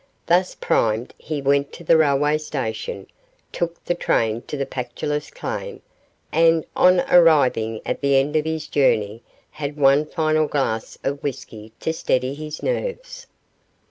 Thus primed, he went to the railway station, took the train to the Pactolus claim, and on arriving at the end of his journey had one final glass of whisky to steady his nerves.